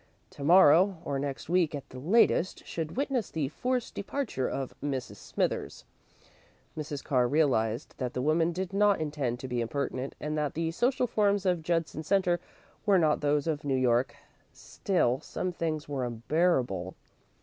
To morrow, or next week at the latest, should witness the forced departure of Mrs. Smithers. Mrs. Carr realised that the woman did not intend to be impertinent, and that the social forms of Judson Centre were not those of New York. Still, some things were unbearable.